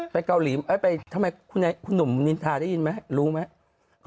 ไปเกาหลีไหมท่านหนุ่มนินทราได้ยินไหมรู้ไหม